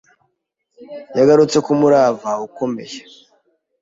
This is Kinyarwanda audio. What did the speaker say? Yagarutse ku murava ukomeye